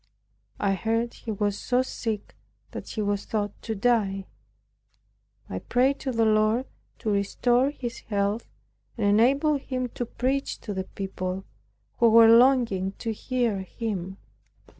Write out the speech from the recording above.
I heard he was so sick that he was thought to die. I prayed to the Lord to restore his health, and enable him to preach to the people, who were longing to hear him.